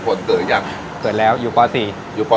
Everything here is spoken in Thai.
เช่นอาชีพพายเรือขายก๋วยเตี๊ยว